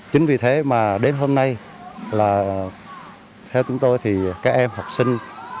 chính vì thế mà đến hôm nay là theo chúng tôi thì các em học sinh